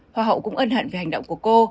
hoa hậu cũng ân hận về hành động của cô